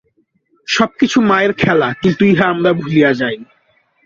সব কিছু মায়ের খেলা, কিন্তু ইহা আমরা ভুলিয়া যাই।